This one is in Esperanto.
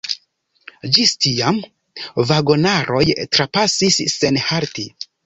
Ĝis tiam, vagonaroj trapasis sen halti.